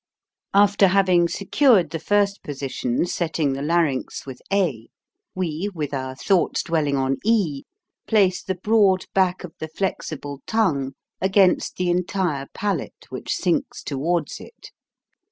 After having secured the first position set ting the larynx with a, we, with our thoughts dwelling on e, place the broad back of the flexible tongue against the entire palate which sinks toward it.